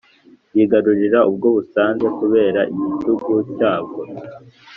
Bwigarurira ubwo busanze kubera igitugu cyabwo